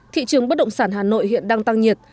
thị trường bất động sản hà nội hiện đang tăng nhiệt